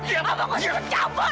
abang aku ingin ke campur